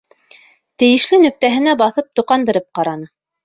Тейешле нөктәһенә баҫып тоҡандырып ҡараны.